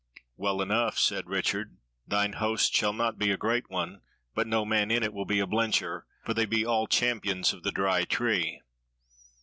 "Well enough," said Richard; "thine host shall not be a great one, but no man in it will be a blencher, for they be all champions of the Dry Tree."